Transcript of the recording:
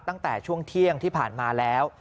ตั้งแต่ช่วงเที่ยงที่ผ่านมาแล้ว